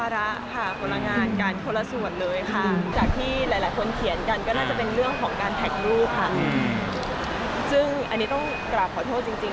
และตอนนั้นก็รู้สึกว่ามันค่อนข้างงานมีแค่๒ช้วง